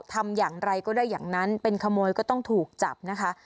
ทำอย่างไรก็ได้อย่างนั้นเป็นขโมยก็ต้องถูกจับนะคะ